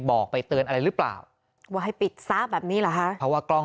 ไปเตือนอะไรหรือเปล่าว่าให้ปิดซะแบบนี้เหรอฮะเพราะว่ากล้อง